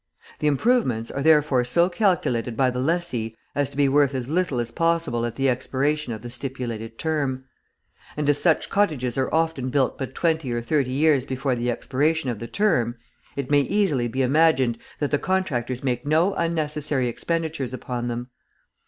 The improvements are therefore so calculated by the lessee as to be worth as little as possible at the expiration of the stipulated term. And as such cottages are often built but twenty or thirty years before the expiration of the term, it may easily be imagined that the contractors make no unnecessary expenditures upon them.